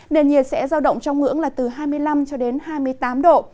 nền nhiệt sẽ giao động trong ngưỡng là từ hai mươi năm hai mươi tám độ